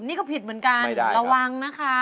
นี่ก็ผิดเหมือนกันระวังนะคะ